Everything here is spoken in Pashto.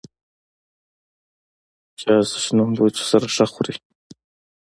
پیاز د شنو مرچو سره ښه خوري